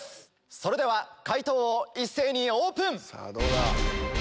それでは解答を一斉にオープン！